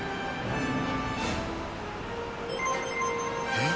えっ。